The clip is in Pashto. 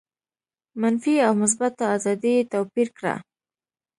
منفي او مثبته آزادي یې توپیر کړه.